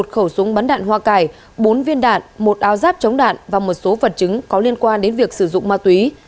một khẩu súng bắn đạn hoa cải bốn viên đạn một áo giáp chống đạn và một số vật chứng có liên quan đến việc sử dụng ma túy